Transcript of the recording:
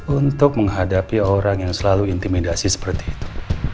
untuk menghadapi orang yang selalu intimidasi seperti itu